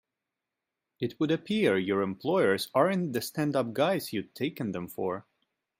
It would appear your employers aren't the stand up guys you'd taken them for.